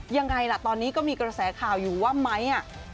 ยังไงล่ะตอนนี้ก็มีกระแสข่าวอยู่ว่าไม้อ่ะ